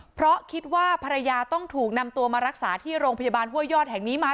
เพราะคิดว่าภรรยาต้องถูกนำตัวมารักษาที่โรงพยาบาลห้วยยอดแห่งนี้มา